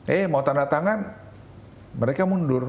eh mau tanda tangan mereka mundur